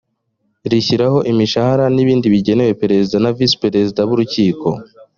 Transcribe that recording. rishyiraho imishahara n ibindi bigenerwa perezida na visi perezida b urukiko